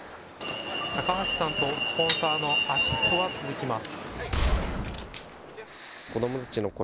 高橋さんとスポンサーのアシストは続きます。